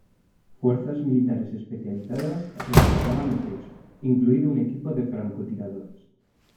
Fuerzas militares especializadas resguardaban el techo, incluido un equipo de francotiradores.